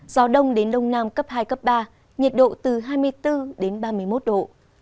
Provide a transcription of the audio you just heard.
gió đông đến đông nam cấp hai cấp ba nhiệt độ từ hai mươi bốn đến ba mươi một độ